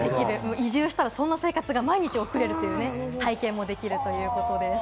移住したらそんな生活が毎日送ることができる体験ができるということです。